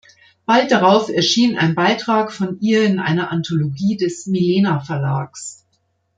Bald darauf erschien ein Beitrag von ihr in einer Anthologie des Milena Verlags.